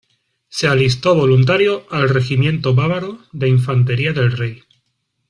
Se alistó voluntario al Regimiento bávaro de Infantería del Rey.